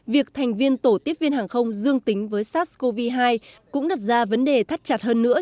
việc thành viên tổ tiếp viên hàng không dương tính với sars cov hai cũng đặt ra vấn đề thắt chặt hơn nữa